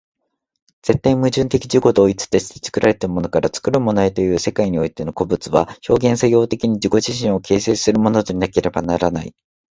絶対矛盾的自己同一として、作られたものから作るものへという世界においての個物は、表現作用的に自己自身を形成するものでなければならない。